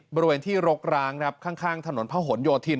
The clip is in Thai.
บริเวณที่รกร้างครับข้างถนนพระหลโยธิน